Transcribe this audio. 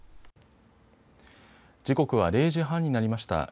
時刻は０時半になりました。